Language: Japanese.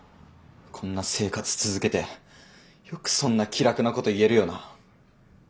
こんな生活続けてよくそんな気楽なこと言えるよな。